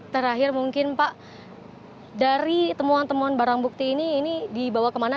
terakhir mungkin pak dari temuan temuan barang bukti ini ini dibawa kemana